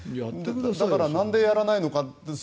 だから、なんでやらないのか。